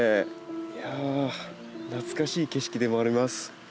いやあ懐かしい景色でもあります。